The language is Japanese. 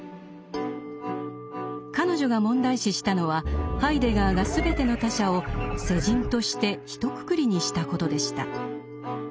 彼女が問題視したのはハイデガーが全ての他者を「世人」としてひとくくりにしたことでした。